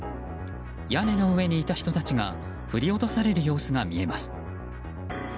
屋根の上にいた人たちが振り落とされる様子が見えます。